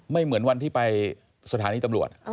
เหมือนวันที่ไปสถานีตำรวจ